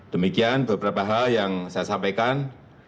demikian beberapa hal yang saya sampaikan